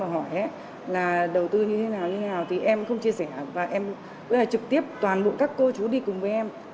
hỏi là đầu tư như thế nào như thế nào thì em không chia sẻ và em là trực tiếp toàn bộ các cô chú đi cùng với em